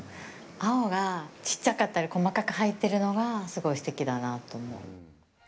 青がちっちゃかったり、細かく入ってるのがすごいすてきだなと思う。